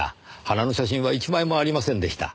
花の写真は１枚もありませんでした。